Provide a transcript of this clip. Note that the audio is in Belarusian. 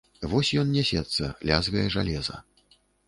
Вось ён нясецца, лязгае жалеза.